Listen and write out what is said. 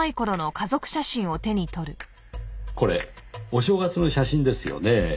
これお正月の写真ですよねぇ。